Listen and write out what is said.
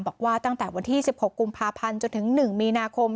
บอกว่าตั้งแต่วันที่สิบหกกลุ่มภาพันธ์จนถึงหนึ่งมีนาคม